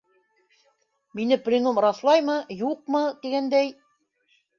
Мине пленум раҫлаймы, юҡмы, тигәндәй...